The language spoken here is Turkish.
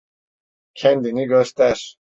Kendini göster!